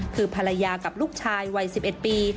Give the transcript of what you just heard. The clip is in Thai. คือภรรยากับลูกชายวัย๑๑ปี